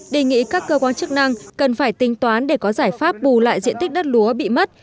đề nghị các cơ quan chức năng cần phải tính toán để có giải pháp bù lại diện tích đất lúa bị mất